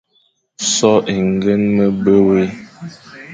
So é ñgeñ me be wé,